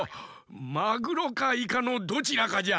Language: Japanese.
マグロかイカのどちらかじゃ。